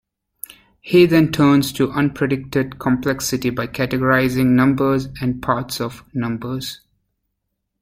He then turns to unpredicted complexity by categorizing numbers and parts of numbers.